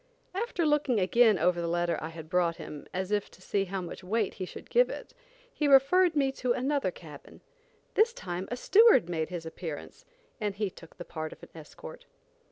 After looking again over the letter I had brought him, as if to see how much weight he should give it, he referred me to another cabin. This time a steward made his appearance and he took the part of an escort.